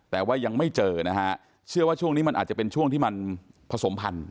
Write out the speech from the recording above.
แต่ว่ายังไม่เจอนะฮะเชื่อว่าช่วงนี้มันอาจจะเป็นช่วงที่มันผสมพันธุ